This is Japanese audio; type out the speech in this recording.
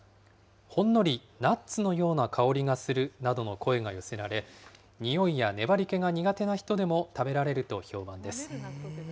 ほんのりナッツのような香りがするなどの声が寄せられ、匂いや粘り気が苦手な人でも食べられると評判です。